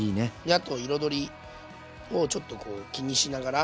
あと彩りをちょっとこう気にしながら。